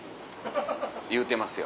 言うてますよ。